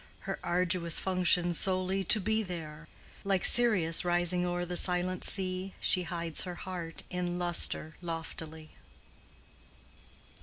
Her arduous function solely "to be there." Like Sirius rising o'er the silent sea. She hides her heart in lustre loftily.